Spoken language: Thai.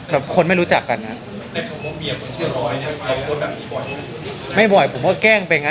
แบบคนไม่รู้จักกัน